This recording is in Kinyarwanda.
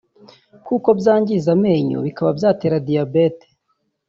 kuko byangiza amenyo bikaba byatera diyabete